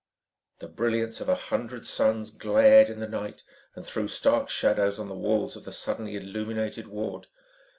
The brilliance of a hundred suns glared in the night and threw stark shadows on the walls of the suddenly illuminated ward.